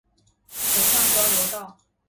水上交流道